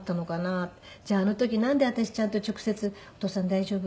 じゃああの時なんで私ちゃんと直接お父さん大丈夫？